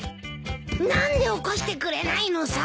何で起こしてくれないのさ！